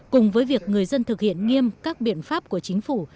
cùng với việc người dân thực hiện nghiêm các biện pháp của chính phủ